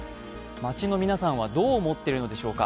街の皆さんはどう思っているのでしょうか。